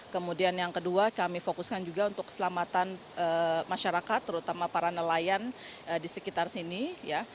kemudian yang kedua kami fokuskan juga untuk keselamatan masyarakat terutama para nelayan di sekitar sini ya